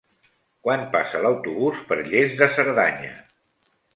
Quan passa l'autobús per Lles de Cerdanya?